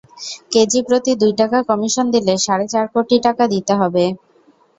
কেজিপ্রতি দুই টাকা কমিশন দিলে সাড়ে চার কোটি টাকা দিতে হবে।